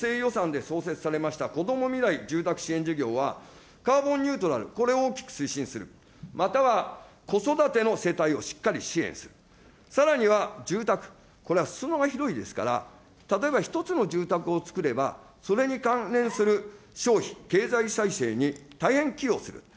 令和３年度の補正予算で創設されました子ども未来住宅支援事業は、カーボンニュートラル、これを大きく推進する、または、子育ての世帯をしっかり支援する、さらには住宅、これはすそ野が広いですから、例えば一つの住宅をつくれば、それに関連する消費、経済再生に大変寄与する。